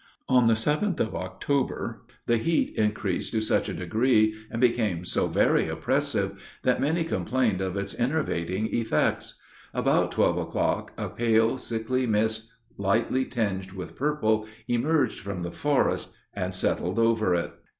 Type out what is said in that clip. On the 7th of October, the heat increased to such a degree, and became so very oppressive, that many complained of its enervating effects. About twelve o'clock, a pale, sickly mist, lightly tinged with purple, emerged from the forest and settled over it.